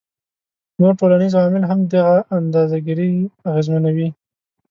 نور ټولنیز عوامل هم دغه اندازه ګيرۍ اغیزمنوي